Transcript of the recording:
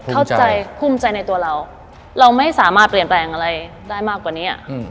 เข้าใจภูมิใจในตัวเราเราไม่สามารถเปลี่ยนแปลงอะไรได้มากกว่านี้